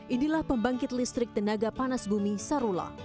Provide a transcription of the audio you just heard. inilah pembangkit listrik tenaga panas bumi sarula